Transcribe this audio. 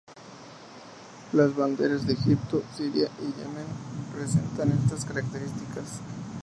Las banderas de Egipto, Siria y Yemen presentan estas características.